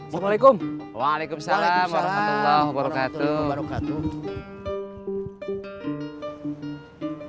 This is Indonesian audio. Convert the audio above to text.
waalaikumsalam warahmatullahi wabarakatuh